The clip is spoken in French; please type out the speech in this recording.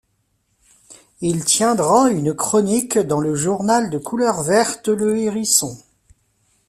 Il tiendra une chronique dans le journal de couleur verte le hérisson.